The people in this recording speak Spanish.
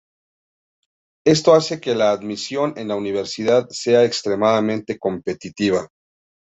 Esto hace que la admisión en la universidad sea extremadamente competitiva.